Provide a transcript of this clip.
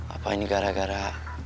apa ini gara gara